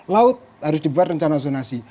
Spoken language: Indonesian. laut harus dibuat rencana zonasi